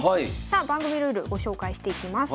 さあ番組ルールご紹介していきます。